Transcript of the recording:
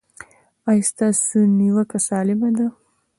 ایا ستاسو نیوکه سالمه ده؟